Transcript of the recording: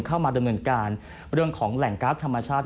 เข้ามาดำเนินการเรื่องของแหล่งก๊าซธรรมชาติ